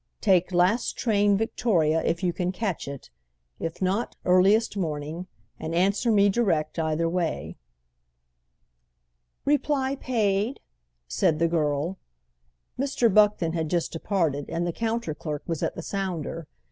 Take last train Victoria if you can catch it. If not, earliest morning, and answer me direct either way." "Reply paid?" said the girl. Mr. Buckton had just departed and the counter clerk was at the sounder.